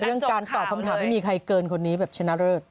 เรื่องการตอบคำถามไม่มีใครเกินคนนี้แบบชนะเลิศ